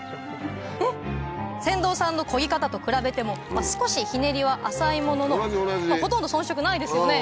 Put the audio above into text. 船頭さんの漕ぎ方と比べても少しひねりは浅いもののほとんど遜色ないですよね？